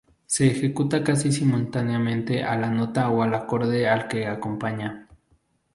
Se ejecuta casi simultáneamente a la nota o al acorde al que acompaña.